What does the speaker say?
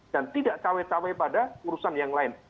dan tidak cawe cawe pada urusan yang lain